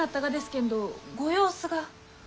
けんどご様子が。